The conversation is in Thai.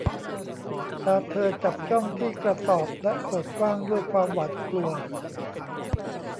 ตาเธอจับจ้องที่กระสอบและเบิกกว้างด้วยความหวาดกลัว